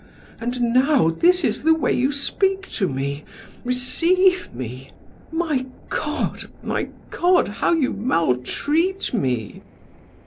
And now this is the way you speak to me, receive me! My God, my God, how you maltreat me!"